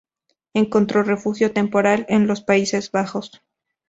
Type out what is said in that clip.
Encontró refugio temporal en los Países Bajos.